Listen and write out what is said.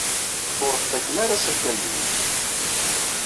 Ur ḍḍifen ara asakal-nni.